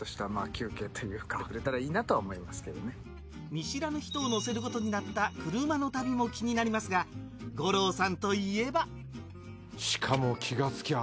見知らぬ人を乗せることになった車の旅も気になりますが五郎さんといえばしかも気がつきゃ